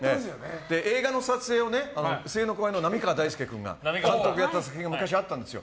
映画の撮影を声優の後輩の浪川大輔君がやって昔あったんです。